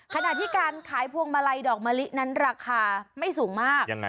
ขณะที่การขายพวงมาลัยดอกมะลินั้นราคาไม่สูงมาก